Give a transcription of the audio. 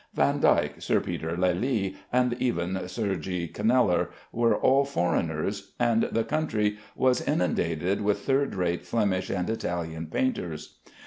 Vandyke, Sir Peter Lely, and even Sir G. Kneller, were all foreigners, and the country was inundated with third rate Flemish and Italian painters.